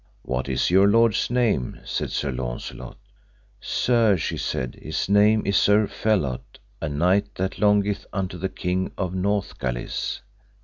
What is your lord's name? said Sir Launcelot. Sir, she said, his name is Sir Phelot, a knight that longeth unto the King of Northgalis.